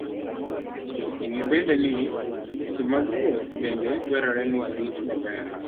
Ng'e bende ni, seche mag wuoth bende dwarore ni orit maber.